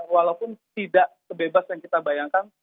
walaupun tidak sebebas yang kita bayangkan